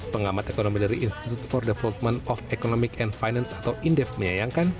pengamat ekonomi dari institute for development of economic and finance atau indef menyayangkan